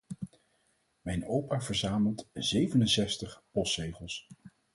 Mijn opa verzamelt zevenenzestig postzegels.